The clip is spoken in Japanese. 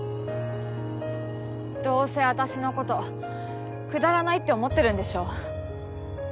どうせ私の事くだらないって思ってるんでしょ。